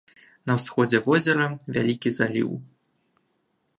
На ўсходзе возера вялікі заліў.